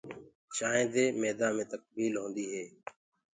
چآنٚينٚ دي ميدآ مي تڪبيل هوندي هي۔